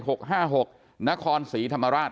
หกนครศรีธรรมราช